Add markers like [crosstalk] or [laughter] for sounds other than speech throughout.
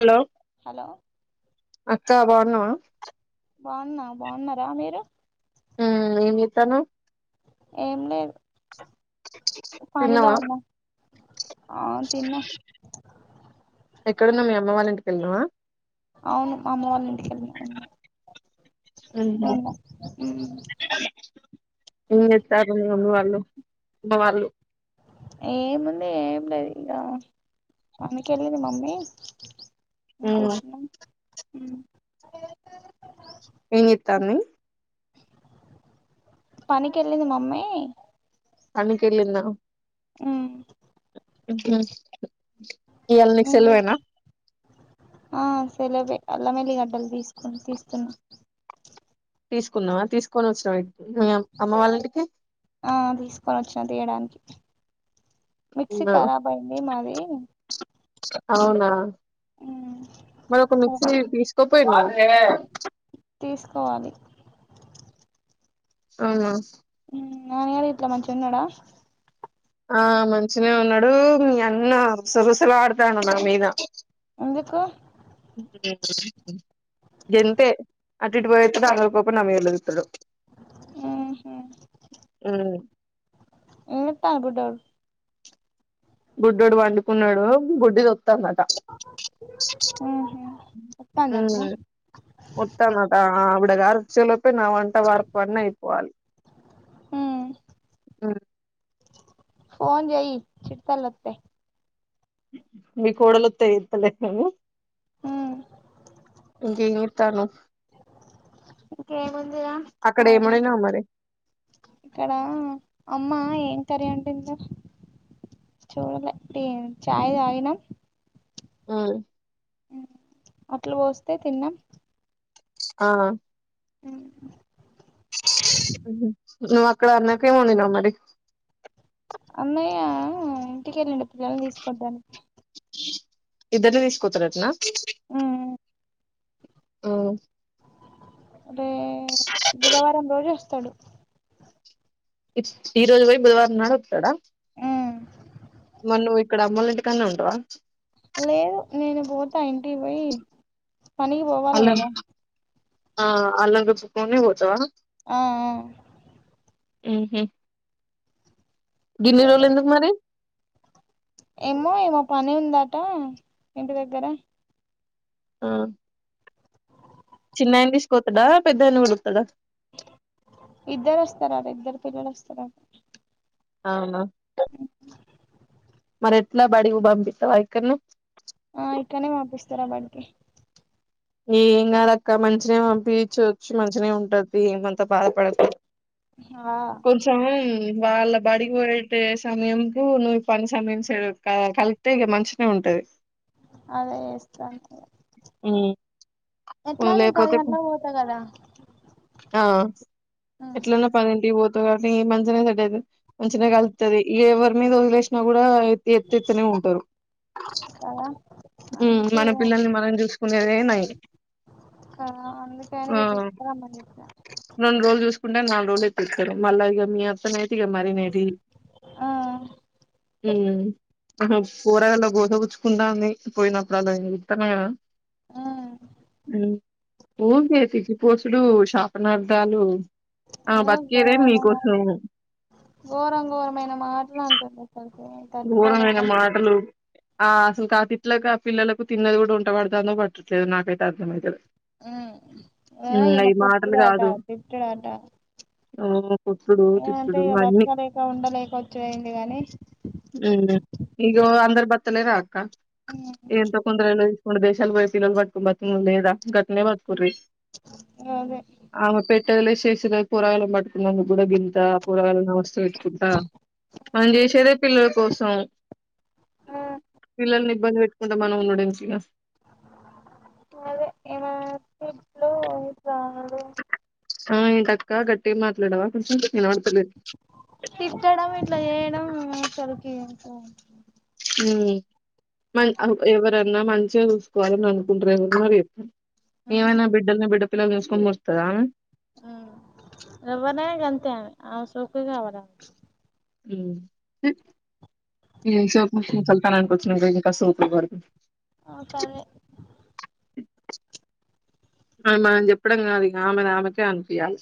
Hello hello హ బాగున్నా బాగున్నారా మీరు మ్మ్ ఏం జేత్తన్నవ్ ఏం లేద్ తిన్నవా ఉన్నా ఆ తిన్న ఎక్కడున్నా మీ అమ్మ వాళ్ళ ఇంటికి వెళ్ళావ అవును మా అమ్మ వాళ్ళ ఇంటికెళ్ళినా ఉనే మ్మ్ హ్మ్ హలో ఏముంది ఏ లేది ఇంగా పనికెల్లిది మమ్మీ మ్మ్ ఇంకుర్చున్నాం మ్మ్ ఏం జేత్తాంది పనికి వెళ్ళింది మమ్మీ పనికెల్లిందా మ్మ్ మ్మ్ హు ఇయ్యాల నీకు నువ్వు సెలవేనా ఆ సెలబె అల్లమెల్లి గడ్డలు తీసుకుం తీస్తున్నా తీసుకున్నావా తీసుకొని వచ్చినావా అమ్మ వాళ్ళంటికి ఆ తీసుకొని వచ్చినా తీయడానికి మిక్సీ కరాబ్ అయింది మాది అవునా ఉమ్, మరి ఒక మిక్స తీసు తప్పు మ తీసుకోవాలి అవునా నా హల మంచిన్నాడ ఆ మంచిగనే ఉన్నాడు మీ అన్న రుస రుసలు ఆడుతాను నా మీద ఎందుకు అంతే అటు ఇటు పోయతడు అందరి మీద కోపం నా మీద చూపిస్తాడు ఉహు, ఉమ్ ఉ తాలబడరు గుడ్డోడు పండుకున్నాడు గుడ్డి తొ త్తమట ఉహు వత్తాందట్నా ఉత్తమట అ ఆయనగారుచ్చలోప నా వంట వార్పు అయిపోవాలి ఉమ్ ఆ ఫోన్ జయి చిట్ వోళ్ళు వత్తే మీకు ఓడలుత్తా ఇతలే నువవు ఇంకేం చేస్తున్నావ్ ఇంకేముందిరా అక్కడ ఏం వండినావ్ మరి ఇక్కడ అమ్మ ఎంత రెంట్ ఎంత చూడలే చాయి తాగినా ము అట్లు పోస్తే తిన్నాం ఆఆ ఉ... ము ను అక్కడ అన్న కే వండిన మరి అన్నయ్య ఇంటికి వెళ్ళిండు పిల్లలనీ తీసుకోడానికి ఇద్దరినీ తీసుకొచ్చినడా అట్టనా అంటే బుధవారం రోజు వాస్ తాడు ఇ ఈ రోజు పోయి బుధవారం నాడు వత్తడా ఊ నువ్వు ఇక్కడ అమ్మోళ్ల ఇంటికాడనే ఉంటవా లేదు నేను పోతా ఇం ఇంటికి పోయి పనీకి పోవాలీ అల్లం కదా ఆ అలంగ పుక్నే పోఓతవా ఆ ఆ ఉహు గిన్ని రోజులు ఎందుకు మరి ఏమో ఏమో పని ఉందట ఇంటి దగ్గర ఆ చిన్న ఆయన తీసుకపోతడా పెద్ద ఆయన కూడా వత్తడా. ఇద్దరు అస్తరు అట ఇద్దరు పిల్లలు అస్తరు అట. అవున హుహ్ మరి ఎట్లా బడికి పంపిత్తవా ఇక్కన్నే. ఆ ఇక్కనే పంపిస్తారా బడికి ఎం కాదు అక్క మంచిగనే పంపిచచ్చు, మంచిగనే ఉంటది తీ ఏమంతా బాధపడకు. ఆ కొంచెం వాళ్ళ బడికి పోయటే సమయంకు నువ్వు పని సమయం సేమ్ కలిత్తె ఇగ మంచి గనే ఉంటది. అదే ఎస్తా ఇక్కడ హ్ పది లేపోతే గంటలకు పోతా కదా ఆ ఎట్లన్నా పదింటికి పోతవు మంచిగనే సెట్ అయితది మంచిగనే కల్తది. ఎవరి మీద వదిలేసిన కూ డా ఎ ఎతెత్తనే ఉంటరు. కదా హ్మ్ అందుకే మన ఇగ పిల్లల్ని మనం చూసుకునేదే నయం, కదా అందుకని ఇగ హ్మ్ తీసుకురమ్మని చెప్పిన రెండు రోజులు చూసుకుంటరు నాలుగు రోజులు ఎత్తెత్తరు. హలో ఇగా మీ అత్తనై తే ఇగా మరి మే ది ఆ హ్మ్ ఆ పోరగాల్ల గోస పుచ్చుకుంటాంది. పోయినప్పుడల్లా ఇగ చూత్తన కదా ఆ హ్మ్ ఊకే తిట్టి పోసుడు, శాపనార్థాలు ఆ ఏ బతికేదే ఘోరమైన మాట మీకోసం ఘోరం ఘోరమైన మాటలు అంటుంది కానీ ఘోరమైన మాటలు ఆ అసలు కా ఆ తిట్లకు ఆ పిల్లలకు తిన్నది కూడా ఒంట పడతాందా పట్టట్లేదో నాకైతే అర్థం అయితలే. ఆ ఈమ మాటలు కొట్టుడాట, కాదు తిట్టుడాట ఓ కొట్టుడు అంటే తిట్టుడు ఇగ అన్నీ బతకలేక ఉండలేక వచ్చుడు అయిందికానీ హుహ్ ఇగో అందరు బతుకుతలేరా అక్క ఏమ్ తకుందని కొన్ని దేశాలు పోయి పిల్లలు పట్టుకొని బతికినోల్లు లేరా గట్నే బతుకు రి అదే ఆమె పెట్టేది లేదు చే [unintelligible] పోరగాల్లను పట్టుకున్నందుకు కూడా గింత పోరాగాలను అవస్త పెట్టుకుంటా పని చేసేదే పిల్లల కో సం పిల్లల్ని ఇబ్బంది పెట్టుకుంట మనం ఉండుడు ఎందుకిగా సరే ఎమార్కిడ్లో ఇసారి ఆ ఏంటక్క గట్టిగా మాట్లాడవా. కొంచెం వినపడతలేదు తిట్టడం ఇట్లా చేేయడం అసలు ఏంటి [inaudible] హ్మ్ మ ఎవరన్నా మంచిగా చూసుకోవాలని అనుకుంటారేమో మరి ఏమైనా బిడల్ని బిడ్డ పిల్లల్ని చూసుకొని మురుస్తద ఆమె. ఆ సోకు కావలామెకి హు ఈసోకులు చల్తానానికి వచ్చినంక ఇంకా సూపర్ పడుతుంది ఆ కర్రే ఆ మనం చెప్పడం కాదు ఇగ ఆమెది ఆమెకే అనిపీయాలి.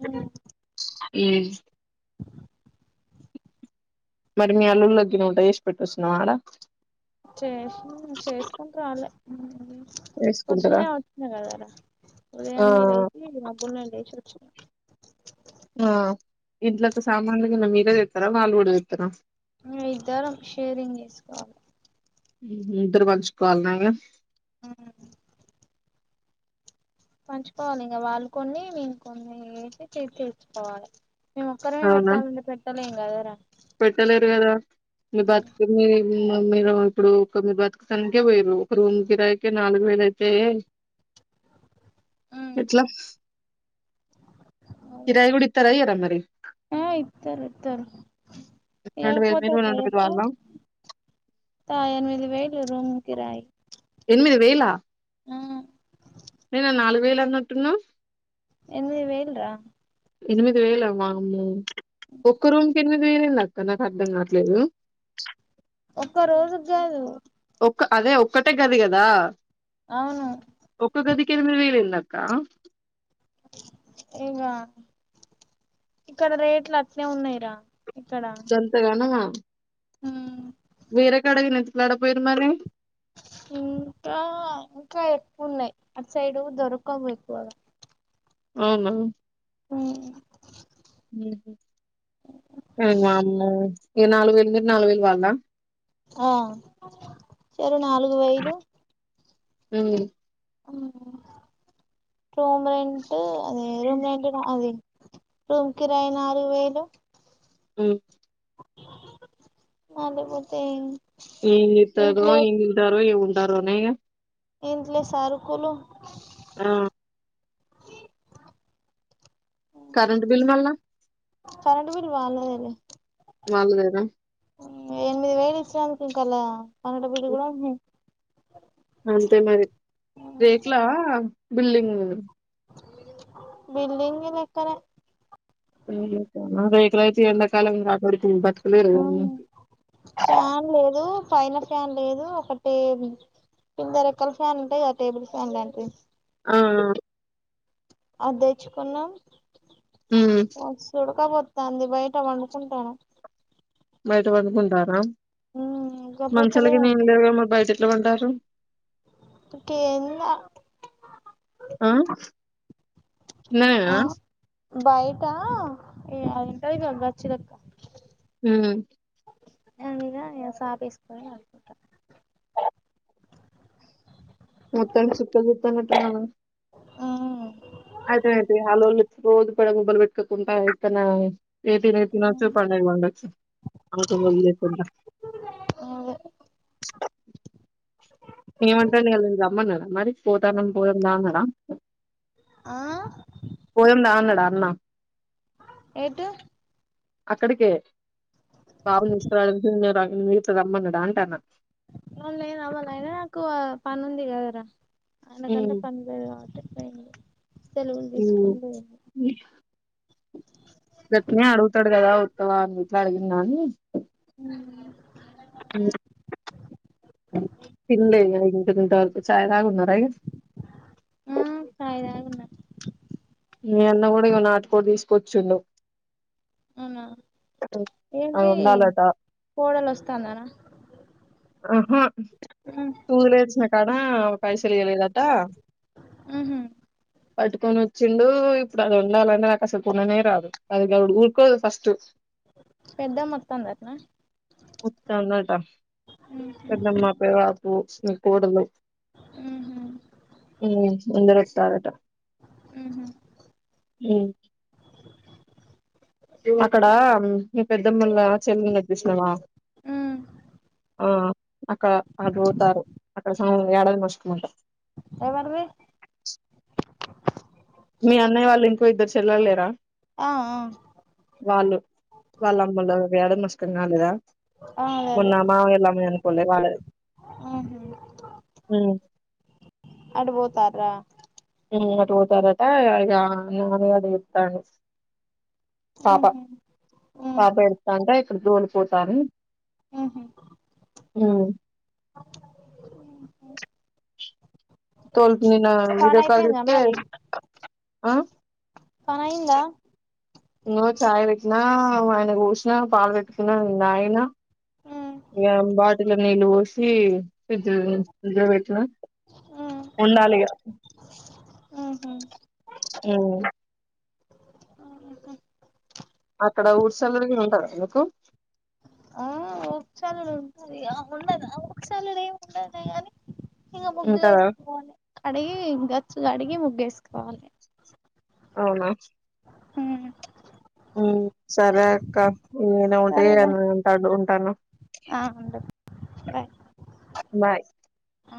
అ హ్మ మరి మీ అల్లుళ్ళ గిన వంట చేసి పెట్టొచ్చినవ ఆడ. చేసి చేసుకుంటరు ఆళ్లే చేసుకుంటరా పొద్దున్నే వచ్చిన గదరా ఉదయాన్నే ఆ లేశి మబ్బుల్నే లేచి వ ఆ ఇంట్లోకి సామాన్లు గిన మీరే తెత్తరా వాళ్ళు కూడా తెత్తరా. మే ఇద్దరం షేరింగ్ చేసుకోవాలి. ఉ హు ఇద్దరు పంచుకోవాలనా ఇగ. ఆ పంచుకోవాలి ఇంగ వాళ్ళు కొన్నీ మేము కొన్నీ ఏసి తీసేసుకోవాలె. అవునా కదరా పెట్టలేరు కదా మీ బతుకుల్ మీవ్ ఇంగ మీరు ఇప్పుడు ఒక మీరు బతుకటానికే పోయింరు ఒక రూమ్ కిరాయికే నాలుగు వేలు అయితే, ఎట్లా అదే కిరాయి కూడా ఇత్తరా ఇయ్యరా మరి ఆ ఇత్తరు ఇత్తరు రెండు వేలు ఇయ్యకపోతే మీరు ఎట్ల రెండు వేలు చెప్పూ వాళ్ళ ఆ ఎనిమిది వేలు రూమ్ కిరాయి. తొమ్మిది వేలా ఆ నిన్న నాలుగు వేలు అన్నట్టున్నావ్. ఎనిమిది వెయిల్రా. ఎనిమిది వేల వామ్మో. ఒక్క రూమ్ కి ఎం వేలేంది అక్క నాకు అర్ధం కావట్లేదు. ఒక్క రోజుగ్గాదు అదే ఒక్కటే గది కదా. అవును కిరిమి వీరిందక్కా ఇంగా ఇక్కడ రేట్లు అట్నే ఉన్నాయిరా. గంతగణమా. హ్మ మీరెకడ గిన ఎతుక్ లాడక పోయిన్రు మరి. ఇంకా ఇంకా ఎక్కువున్నాయి అటు సైడు దొరకవు ఎక్కువగా. అవునా! ఊ మ ఏ నాలుగు వేల మీద నాలుగు వేలు కావాలనా. ఆ సరే నాలుగు వెయ్యిలూ. హ్మ తొమెంచ్ అదే రూమ్ రంట అదే రూమ్ కిరాయ నాలుగు వేలు ఆ అదపోతే ఇంగ్ ఇర్తారో ఇంగ్ ఇల్తారో ఎ ఉ డ రౌన్నాగా ఇంటిలే సారు కొలు ఆ కరెంట్ బిల్ మళ్ళా కరెంట బిల్ వాళ్ళద వాళ్ళదేద ఎనిమిది వయలు ఇచ్చక కాల అన్నడ బిల్ కూడా అంతే మరి రేకులా బిల్డింగ్ బిల్డింగ్ లో ఎక్కనే ఎ రా ఎండాకాల రా ఫ్యాన్ లేదు పైన ఫ్యాన్ లేదు ఒకటి కింద రెక్కల ఫ్యాన్ ఉంటాయి ఆ టేబుల్ ఫ్యాన్ లాంటివి ఆ అది తెచ్చుకున్నాం ఉమ్ పో టకా బ అంది బయట వండుకుంటాను మైతే వందకుంటారా మనుషులకి నిద్రపోతలేదు నేం అబ్బా లేదుగా మరి బయటెట్లా పంటారు ఓకే ఎంద ఆ కిందనేనా ఆ బయటా ఏ అద కది ఉంది వచ్చి తక్క హ అదిద సాపిసుకుని అకుంట మొత్తాం సుక్క చుత్తట్ట ఉమ్ అయితే అయితే అలోల్ రోజ పడ మబల్ పెట్కకుంటా అయితన ఎయిటిన్యి తినచ్చు పండక పండొచ్చు అ లేకుండా అదే ఏమంటానే అ గమ్మన్నా అరి పోతానం పోయముందాన్నడా ఆ పోయముందాన్న టారణ ఏటు అక్కడికే బాబుని ఇసురా నచ రమ్మన్నాడు అంటాను ఎవరు లేరు అవల కు పని ఉంది కదరా. అయనకంటే ఉమ్ పని లేదు కాబట్ పొయింది. సెలవుల్ డిస్కౌంట్ గట్నే అడుగుతాడు కదా ఉత్తవా అన్నిట్లా అడిగిండా అని ఉ తిన్లే [unintelligible] ఛాయ్ తా ఉన్న పెండ్స్ ఆ చాయ్ తాగి ఉన్న మీ అన్న కూడా ఇగ నాటుకో తీసుకొచ్చిండు. అవునా అది ఏంది వండాలట కోడలు వస్తాందనా. ఆహ పూలేచిన కాడ పైసలు ఇలేదట ఉహు పట్టుకొని వచ్చిండు. ఇప్పుడు అది వండాలన నాకు అసలు కొననే రాదు. అది గ ఊరుకోద్ ఫస్ట్ పెద్దమ్మ వత్తాందటనా ఉత్తన్నట ఉహు పెదమతు అ పో నీ కోదల్లు ఉహు ఉ ఉందరె తారట ఊహు హు అక్కడ మీ పెద్దమ్మోల చెల్లి ఉన్నెది చూసన్నావా. ఉ ఆ అక్కడ అడుతారు అక్కడ అవును యడవ్ కొష్కుఅట ఎవరిది మీ అన్నయ్య వాళ్ళు ఇంకో ఇద్దరు చెల్లలేరా ఆ ఆ వాళ్ళు వాళ్ళమ్మన ఏడన్న స్ క్క నాలద ఆ అదే అనుకోలే వాళ్ళది అదే ఉహు అటుపోతార ఉ అటుపోతారటా ఇగ నుపొతె ఇత్తాను. పాప ఉహు ఉ పాప ఎడుత్తాంటె పొని పోతాను ఉహు ఉ తోల్పు నిన్న పని వీడియో కాల్ అయిపోయిందా చేస్తే మరి ఆ ఫనైందా ఇగో చాయ్ పెట్టినా ఆయనకు పోసిన పాలు పెట్టుకున్న నేను దాగిన ఉ ఇగ బాటిలో నీళ్ళు పోసి ఫ్రిడ్జ్ లో పెట్న ఉ ఉండాలి కదా ఉహు ఉమ్ ఆ అక్కడ ఊడ్ సెల్లర కూడా ఉంటాదా ఎందుకు ఆ ఒకసాలుడు ఉంటది ఉండదు ఒకసాలుడు ఏమి ఉండదు గాని ఇగ ఉంటదా ముగ్గేస్తా అడిగి గచ్చలు అడిగి ముగ్గేస్త తీసుకోవాలి అవునా ఉమ్ ఉమ్ సరే అక్క నేను వంటయే సరేరా ఉంట ఉంటాన్నం ఆ ఉండు బాయ్ బాయ్ ఆ